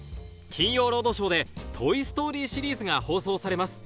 『金曜ロードショー』で『トイ・ストーリー』シリーズが放送されます